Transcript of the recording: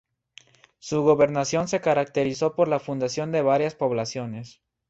Su gobernación se caracterizó por la fundación de varias poblaciones.